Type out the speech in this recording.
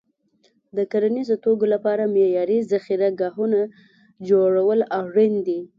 د کرنیزو توکو لپاره معیاري ذخیره ګاهونه جوړول اړین دي.